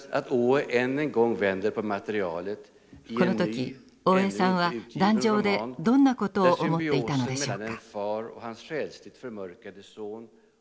この時大江さんは壇上でどんなことを思っていたのでしょうか。